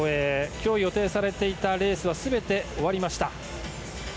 今日予定されていたレースは全て終わりました。